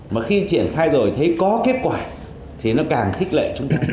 mà khi triển khai rồi thấy có kết quả thì nó càng thích lợi chúng ta